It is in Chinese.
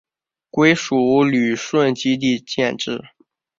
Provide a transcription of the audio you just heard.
归属旅顺基地建制。